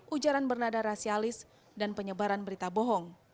ujaran bernada rasialis dan penyebaran berita bohong